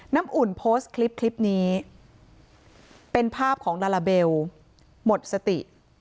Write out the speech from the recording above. น้ำอุ่นโพสต์คลิปนี้เป็นภาพของลาลาเบลหมดสติ